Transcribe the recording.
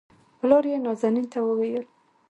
پلار يې نازنين ته وويل